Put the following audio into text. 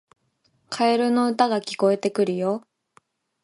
カエルの歌が聞こえてくるよ